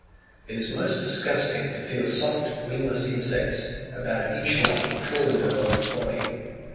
It is most disgusting to feel soft wingless insects, about an inch long, crawling over one's body.